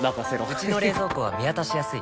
うちの冷蔵庫は見渡しやすい